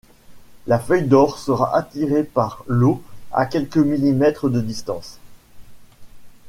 La feuille d'or sera attirée par l'eau à quelques millimètres de distance.